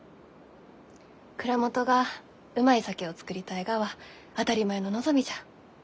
蔵元がうまい酒を造りたいがは当たり前の望みじゃ。